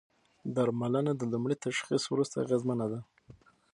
درملنه د لومړي تشخیص وروسته اغېزمنه ده.